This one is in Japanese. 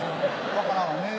分からんわねぇ。